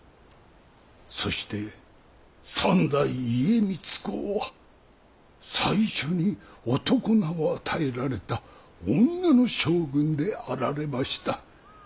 そして三代家光公は最初に男名を与えられた女の将軍であられました。